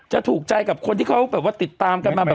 จะถูกใจกับคนที่เขาติดตามกันมา